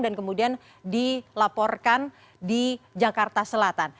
kemudian dilaporkan di jakarta selatan